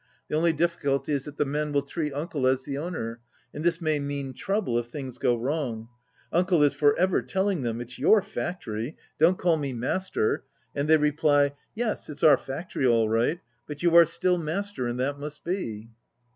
The only difficulty is that the men will treat uncle as the owner, and this may mean trouble if things go wrong. Uncle is for ever telling them, 'It's your factory, don't call me Master,' and they reply, 'Yes, it's our factory all right, but you are still Master, and that must be.'